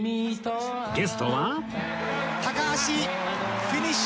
ゲストは